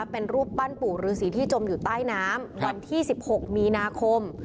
เป็นรูปปั้นปู่รือสีที่จมอยู่ใต้น้ำครับวันที่สิบหกมีนาคม